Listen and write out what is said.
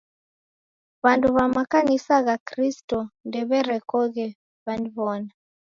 W'andu w'a makanisa gha Kristo ndew'erekoghe w'aniw'ona.